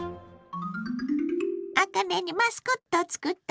あかねにマスコットを作ったわ。